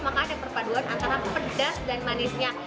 maka ada perpaduan antara pedas dan manisnya